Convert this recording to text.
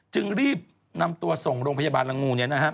จึงรีบนำตัวส่งโรงพยาบาลลังงู